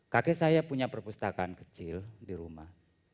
kakek saya punya perpustakaan kecil di rumah